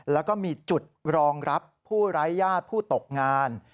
แล้วก็มีจุดรองรับผู้ไร้ญาติผู้ตกงาน